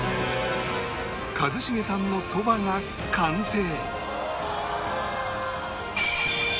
一茂さんのそばが完成